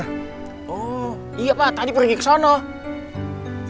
oh iya pak tadi pergi kesana